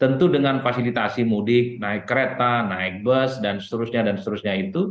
tentu dengan fasilitasi mudik naik kereta naik bus dan seterusnya